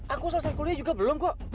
aku selesai kuliah juga belum kok